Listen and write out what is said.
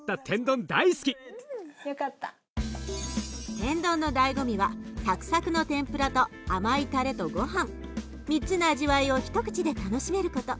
天丼のだいご味はサクサクの天ぷらと甘いタレとごはん３つの味わいを一口で楽しめること。